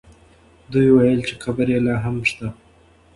دوی وویل چې قبر یې لا هم شته.